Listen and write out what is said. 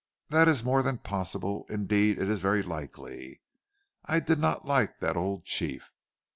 "That is more than possible, indeed, it is very likely. I did not like that old chief.